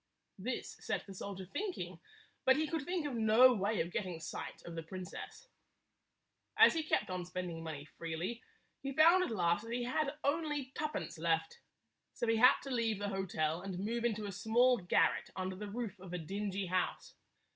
This set the soldier thinking, but he could think of no way of getting sight of the princess. As he kept on spending money freely, he found at last that he had only twopence left. So he had to leave the hotel and move into a small garret under the roof of a dingy house.